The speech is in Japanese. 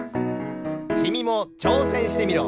きみもちょうせんしてみろ。